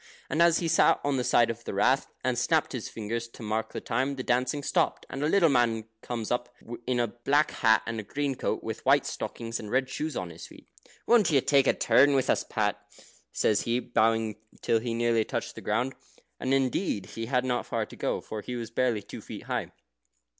And as he sat on the side of the Rath, and snapped his fingers to mark the time, the dancing stopped, and a little man comes up, in a black hat and a green coat, with white stockings, and red shoes on his feet. "Won't you take a turn with us, Pat?" says he, bowing till he nearly touched the ground. And, indeed, he had not far to go, for he was barely two feet high.